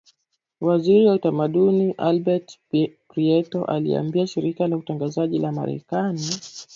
waziri wa utamaduni Abel Prieto aliiambia shirika la utangazaji la marekani